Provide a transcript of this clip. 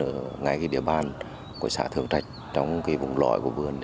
ở ngay cái địa bàn của xã thường trạch trong cái vùng lõi của vườn